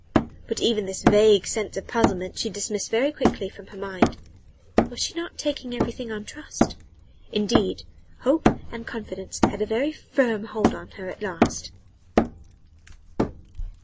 But even this vague sense of puzzlement she dismissed very quickly from her mind. Was she not taking everything on trust? Indeed hope and confidence had a very firm hold on her at last.